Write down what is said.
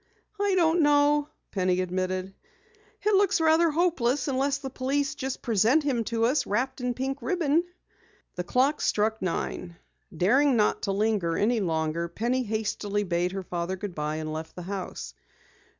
"I don't know," Penny admitted. "It looks rather hopeless unless the police just present him to us wrapped in pink ribbon." The clock struck nine. Daring not to linger any longer, Penny hastily bade her father goodbye and left the house.